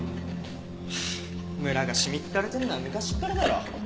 村がしみったれてるのは昔からだろ。